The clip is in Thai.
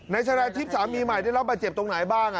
นายชนะทิพย์สามีใหม่ได้รับบาดเจ็บตรงไหนบ้าง